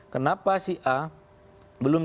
kenapa si a belum